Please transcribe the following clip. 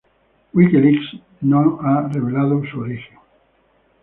WikiLeaks no han revelado su origen.